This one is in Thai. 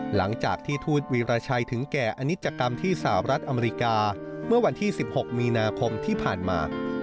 หลังจากที่ทูตวีรชัยถึงแก่อนิจกรรมที่สหรัฐอเมริกาเมื่อวันที่๑๖มีนาคมที่ผ่านมา